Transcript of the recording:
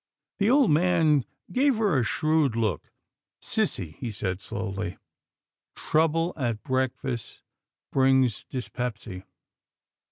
The old man gave her a shrewd look. " Sissy," he said slowly, " trouble at breakfast brings dys pepsy.